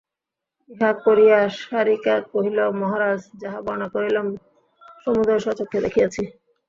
ইহা কহিয়া শারিকা কহিল মহারাজ যাহা বর্ণনা করিলাম সমুদয় স্বচক্ষে দেখিয়াছি।